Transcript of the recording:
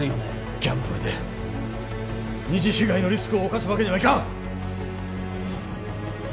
ギャンブルで二次被害のリスクを冒すわけにはいかん！